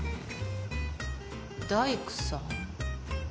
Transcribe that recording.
大工さん？